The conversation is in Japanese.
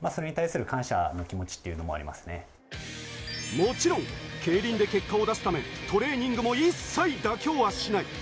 もちろん競輪で結果を出すためトレーニングも一切妥協はしない。